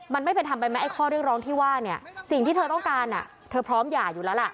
มันไม่เป็นทำไปไหมไอ้ข้อเรียกร้องที่ว่าเนี่ยสิ่งที่เธอต้องการเธอพร้อมหย่าอยู่แล้วล่ะ